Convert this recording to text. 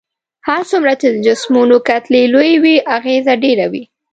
هر څومره چې د جسمونو کتلې لويې وي اغیزه ډیره وي.